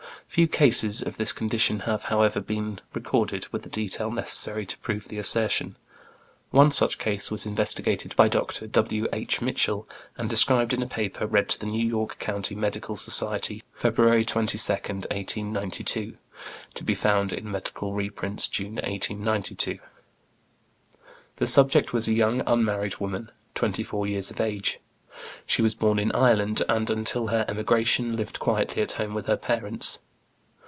Few cases of this condition have, however, been recorded with the detail necessary to prove the assertion. One such case was investigated by Dr. H.W. Mitchell, and described in a paper read to the New York County Medical Society, February 22, 1892 (to be found in Medical Reprints, June, 1892). The subject was a young, unmarried woman, 24 years of age. She was born in Ireland, and, until her emigration, lived quietly at home with her parents.